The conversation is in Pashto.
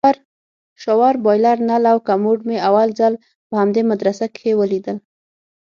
شاور بايلر نل او کموډ مې اول ځل په همدې مدرسه کښې وليدل.